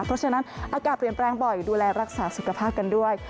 เพราะฉะนั้นอากาศเปลี่ยนแปลงบ่อยดูแลรักษาสุขภาพกันด้วย